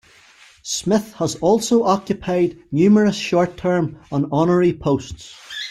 Smith has also occupied numerous short-term and honorary posts.